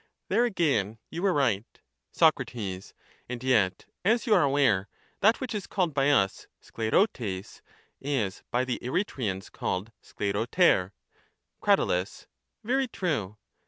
There again you were right. Soc. And yet, as you are aware, that which is called by us aKXr\pb T\q, is by the Eretrians called aKAjjpoTijp. Crat. Very 4:rue.